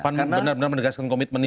pan benar benar menegaskan komitmen ini